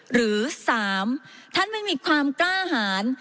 หรือ๓ท่านไม่มีความกล้าหาร